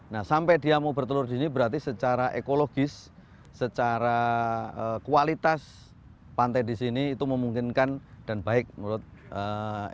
nah sampai dia mau bertelur di sini berarti secara ekologis secara kualitas pantai di sini itu memungkinkan dan baik menurut ee